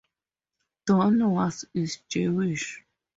Don Was is Jewish.